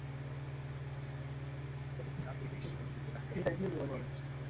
যতক্ষণ না তুমি বলছো দুজনের মধ্যে কাকে পছন্দ করো।